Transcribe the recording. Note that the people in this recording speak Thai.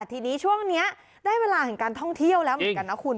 ทีนี้ช่วงนี้ได้เวลาของการท่องเที่ยวแล้วเหมือนกันนะคุณ